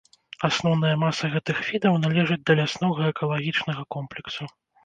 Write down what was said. Асноўная маса гэтых відаў належаць да ляснога экалагічнага комплексу.